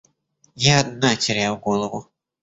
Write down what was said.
Я одна теряю голову.